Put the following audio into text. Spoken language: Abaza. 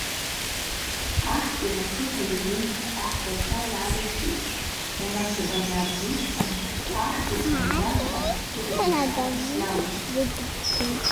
Ахӏгьи ласыта йгӏвымхӏв ахӏбачва йгӏарызшӏиттӏ, унашва багъьа рзичпан ахӏ йтшангварта йырзыпшгӏарныс йауищттӏ.